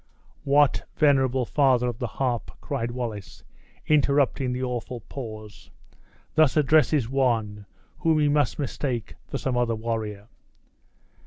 "What, venerable father of the harp," cried Wallace, interrupting the awful pause, "thus addresses one whom he must mistake for some other warrior?"